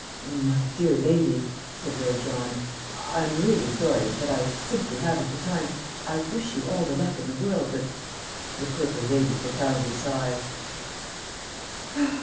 "My dear lady," said Lord John, "I'm really sorry, but I simply haven't the time, I wish you all the luck in the world, but " The purple lady profoundly sighed.